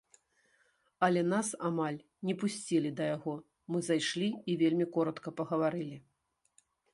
Але нас амаль не пусцілі да яго, мы зашлі і вельмі коратка пагаварылі.